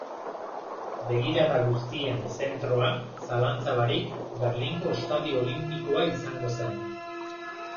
Begirada guztien zentroa, zalantza barik, Berlingo Estadio Olinpikoa izango zen.